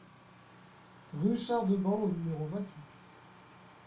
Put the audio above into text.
Rue Char de Ban au numéro vingt-huit